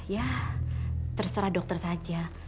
ya terserah dokter saja